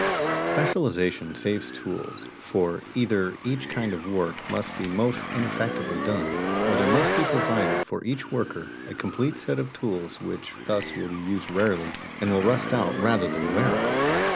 Specialization saves tools for, either each kind of work must be most ineffectively done, or there must be provided for each worker a complete set of tools which thus will be used rarely and will rust out rather than wear out.